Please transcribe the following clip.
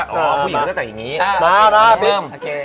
อ๋อผู้หญิงก็จะใส่อย่างนี้